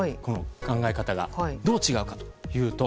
考え方が、どう違うかというと。